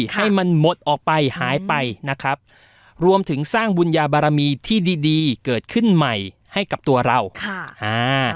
ให้มันหมดออกไปหายไปนะครับรวมถึงสร้างบุญญาบารมีที่ดีดีเกิดขึ้นใหม่ให้กับตัวเราค่ะอ่า